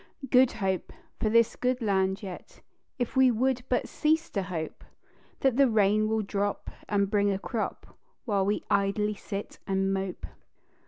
"Good Hope" for this good land yet, If we would but cease to hope That the rain will drop and bring a crop While we idly sit and mope.